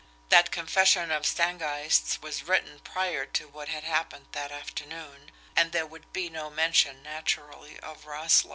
That confession of Stangeist's was written prior to what had happened that afternoon, and there would be no mention, naturally, of Roessle.